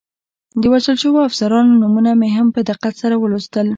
د وژل شویو افسرانو نومونه مې هم په دقت سره ولوستل.